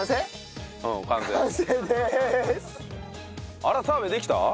あら澤部できた？